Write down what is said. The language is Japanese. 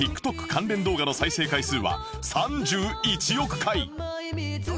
関連動画の再生回数は３１億回！